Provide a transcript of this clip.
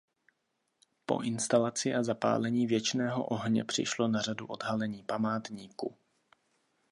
Po instalaci a zapálení věčného ohně přišlo na řadu odhalení památníku.